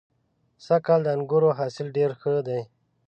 سږ کال د انګورو حاصل ډېر ښه دی.